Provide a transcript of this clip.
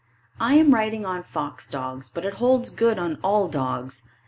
I am writing on fox dogs, but it holds good on all dogs.